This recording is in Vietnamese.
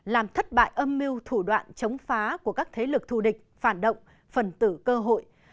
làm thất bại âm mưu thủ đoạn chống phá của các thế lực thù địch phản động phần tử cơ hội